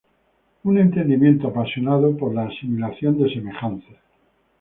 un entendimiento apasionado por la asimilación de semejanzas